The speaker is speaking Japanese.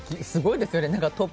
すごいですよ。